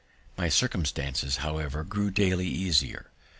My circumstances, however, grew daily easier.